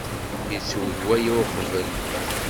Yettweg waya uqbel?